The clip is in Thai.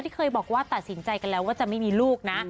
ที่เคยบอกว่าตัดสินใจกันแล้วว่าจะไม่มีลูกนะ